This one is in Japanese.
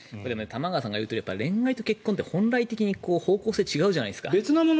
玉川さんが言うとおり恋愛と結婚って本来的に方向性が違うじゃないですか。